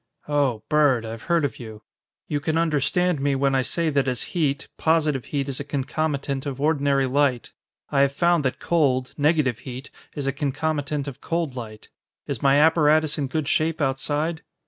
"Oh, Bird. I've heard of you. You can understand me when I say that as heat, positive heat is a concomitant of ordinary light. I have found that cold, negative heat, is a concomitant of cold light. Is my apparatus in good shape outside?"